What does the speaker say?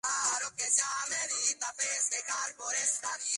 Sin embargo, en la poesía del autor hay contenidos sociales cercanos al socialismo.